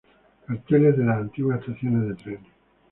Carteles de las antiguas estaciones de trenes.